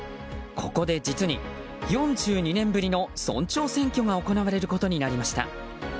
ここで、実に４２年ぶりの村長選挙が行われることになりました。